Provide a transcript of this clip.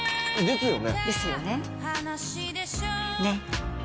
ですよね。ね？